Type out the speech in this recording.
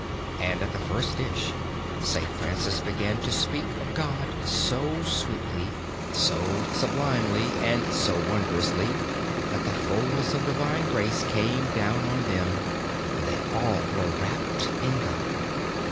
And at the first dish, Saint Francis began to speak of God so sweetly, so sublimely and so wondrously, that the fulness of Divine grace came down on them, and they all were wrapt in God.